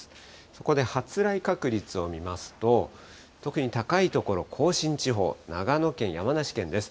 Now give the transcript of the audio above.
そこで発雷確率を見ますと、特に高い所、甲信地方、長野県、山梨県です。